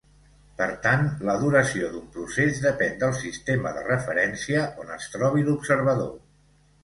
Per tant, la duració d'un procés depèn del sistema de referència on es trobi l'observador.